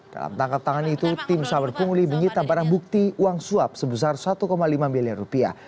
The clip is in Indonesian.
dalam tangkap tangan itu tim saber pungli menyita barang bukti uang suap sebesar satu lima miliar rupiah